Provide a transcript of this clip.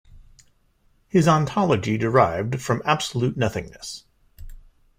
His ontology derived from absolute nothingness.